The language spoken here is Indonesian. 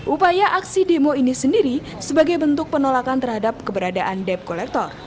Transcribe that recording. upaya aksi demo ini sendiri sebagai bentuk penolakan terhadap keberadaan dep kolektor